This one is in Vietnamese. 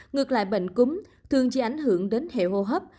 ngược lại bệnh cúm thường chỉ ảnh hưởng đến hệ hô hấp